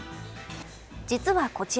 実はこちら。